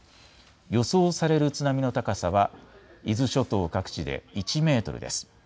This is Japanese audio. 予想される津波の高さは伊豆諸島各地で１メートルです。